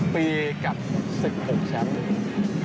๖ปีกับ๑๖แชมป์